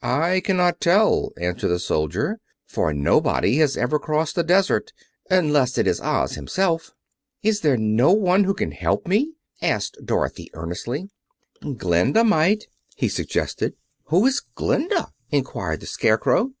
"I cannot tell," answered the soldier, "for nobody has ever crossed the desert, unless it is Oz himself." "Is there no one who can help me?" asked Dorothy earnestly. "Glinda might," he suggested. "Who is Glinda?" inquired the Scarecrow.